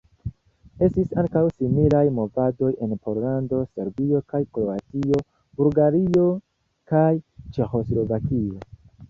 Estis ankaŭ similaj movadoj en Pollando, Serbio kaj Kroatio, Bulgario kaj Ĉeĥoslovakio.